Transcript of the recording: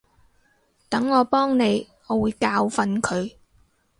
等我幫你，我會教訓佢